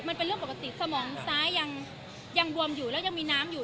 มันเป็นเรื่องปกติสมองซ้ายยังบวมอยู่แล้วยังมีน้ำอยู่